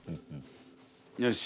よし。